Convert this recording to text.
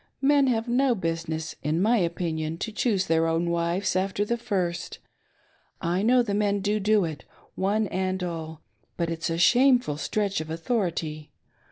Men ha, ve no business, in my opinion, to choose their own wives, after the first. I know the men do do it, one and all ; but it's a shameful stretch of authority.